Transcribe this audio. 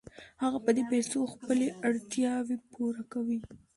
هغه په دې پیسو خپلې اړتیاوې پوره کوي